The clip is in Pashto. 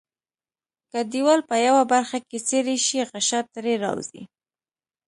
که دیوال په یوه برخه کې څیري شي غشا ترې راوځي.